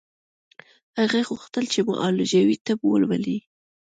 هغې غوښتل چې معالجوي طب ولولي